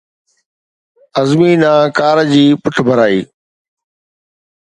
عظمي ڏانهن ڪار جي پٺڀرائي